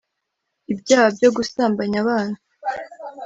ibyaha byo gusambanya abana